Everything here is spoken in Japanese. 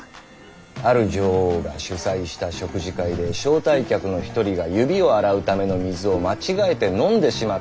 ある女王が主催した食事会で招待客の一人が指を洗うための水を間違えて飲んでしまったそうだ。